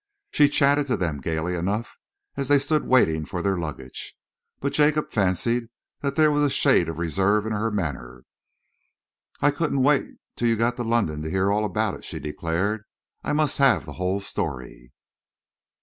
She chattered to them gaily enough as they stood waiting for their luggage, but Jacob fancied that there was a shade of reserve in her manner. "I couldn't wait till you got to London to hear all about it," she declared. "I must have the whole story."